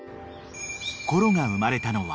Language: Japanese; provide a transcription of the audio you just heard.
［コロが生まれたのは］